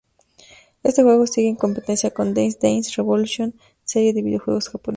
Este juego sigue en competencia con Dance Dance Revolution, serie de videojuegos japonesa.